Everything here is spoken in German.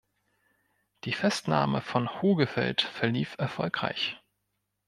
Die Festnahme von Hogefeld verlief erfolgreich.